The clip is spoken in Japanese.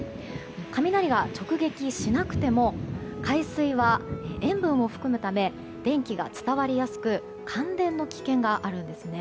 雷が直撃しなくても海水は塩分を含むため電気が伝わりやすく感電の危険があるんですね。